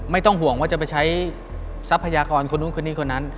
ไม่ต้องห่วงว่าจะไปใช้ทรัพยากรคนนู้นคนนี้คนนั้น